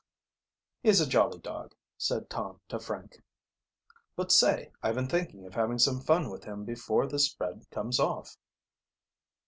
"He's a jolly dog," said Tom to Frank. "But, say, I've been thinking of having some fun with him before this spread comes off."